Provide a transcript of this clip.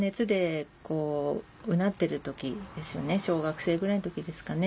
小学生ぐらいの時ですかね